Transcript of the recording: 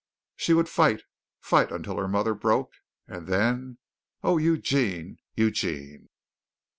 She would fight, fight until her mother broke, and then Oh, Eugene, Eugene!